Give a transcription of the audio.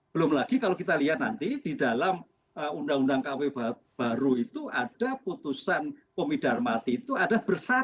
belum lagi kalau kita lihat nanti di dalam undang undang kw baru itu ada putusan pemidar mati itu ada bersalah